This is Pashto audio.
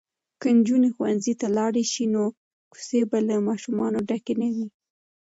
که نجونې ښوونځي ته لاړې شي نو کوڅې به له ماشومانو ډکې نه وي.